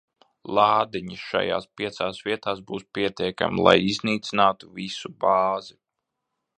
Lādiņi šajās piecās vietās būs pietiekami, lai iznīcinātu visu bāzi.